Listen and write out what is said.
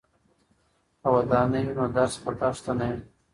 که ودانۍ وي نو درس په دښته نه وي.